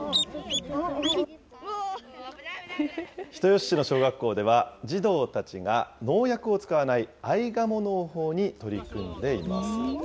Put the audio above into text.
人吉市の小学校では児童たちが、農薬を使わない、アイガモ農法に取り組んでいます。